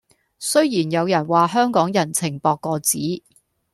雖然有人話香港人情薄過紙